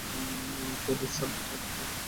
Core restart করা?